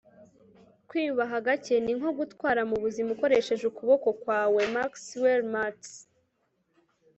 kwiyubaha gake ni nko gutwara mu buzima ukoresheje ukuboko kwawe - maxwell maltz